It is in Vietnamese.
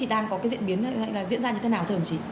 đang có diễn biến hay diễn ra như thế nào thưa đồng chí